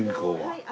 はい。